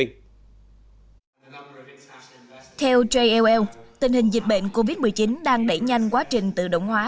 theo jll tình hình dịch bệnh covid một mươi chín đang đẩy nhanh quá trình tự động hóa